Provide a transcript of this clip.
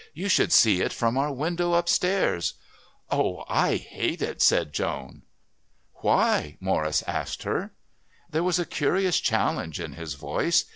"You should see it from our window upstairs." "Oh, I hate it " said Joan. "Why?" Morris asked her. There was a curious challenge in his voice.